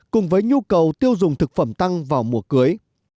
cùng với nhu cầu tiêu dùng thực phẩm tăng vào mùa cưới